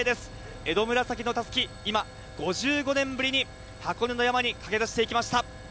江戸紫の襷、５５年ぶりに箱根の山に駆けだしていきました。